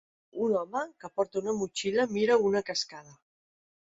Un home que porta una motxilla mira una cascada.